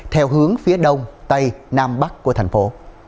theo hướng phía đông tây nam bắc của thành phố